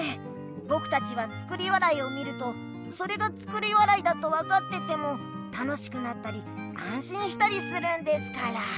ぼくたちは「作り笑い」を見るとそれが作り笑いだと分かってても楽しくなったりあんしんしたりするんですから。